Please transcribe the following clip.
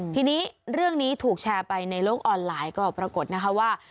ทีนี้เรื่องนี้ถูกแชร์ไปในโลกออนไลน์ก็ปรากฏนะคะว่า